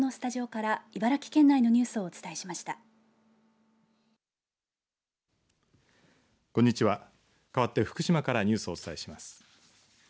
かわって福島からニュースをお伝えします。